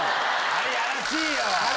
あれやらしいよ！